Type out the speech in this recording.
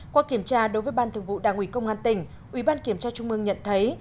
qua kiểm tra đối với ban thường vụ đảng ủy công an tỉnh ủy ban kiểm tra trung mương nhận thấy